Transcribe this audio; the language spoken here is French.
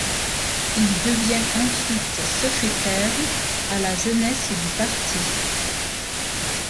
Il devient ensuite secrétaire à la jeunesse du parti.